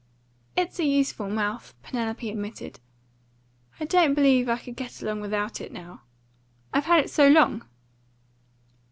"It's a useful mouth," Penelope admitted; "I don't believe I could get along without it now, I've had it so long."